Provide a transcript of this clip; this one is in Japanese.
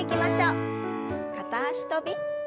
片脚跳び。